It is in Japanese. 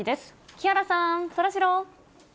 木原さん、そらジロー。